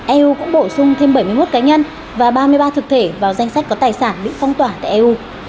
eu cũng bổ sung thêm bảy mươi một cá nhân và ba mươi ba thực thể vào danh sách có tài sản bị phong tỏa tại eu